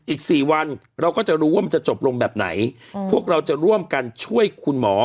อีก๔วันเราก็จะรู้ว่ามันจะจบลงแบบไหนพวกเราจะร่วมกันช่วยคุณหมอ